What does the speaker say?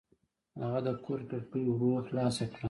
هغه د کور کړکۍ ورو خلاصه کړه.